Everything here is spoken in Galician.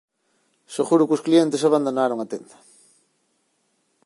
Seguro que os clientes abandonaran a tenda.